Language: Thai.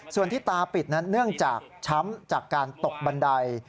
ส่วนที่ตาปิดนั้นเนื่องจากช้ำจากการตกบันได